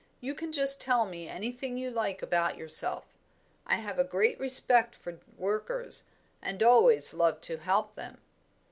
You can just tell me anything you like about yourself. I have a great respect for workers, and always love to help them.'"